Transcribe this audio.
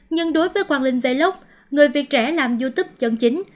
nhưng đối với quang linh vlog người việt trẻ làm youtube chân chính